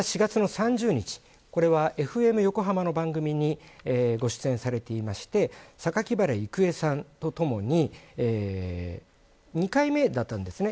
４月３０日これはＦＭ横浜の番組にご出演されていまして榊原郁恵さんとともに２回目だったんですね。